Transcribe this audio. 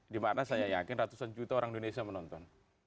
dimana saya yakin ratusan juta orang indonesia menonton